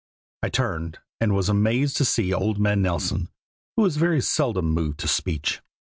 I turned, and was amazed to see old man Nelson, who was very seldom moved to speech.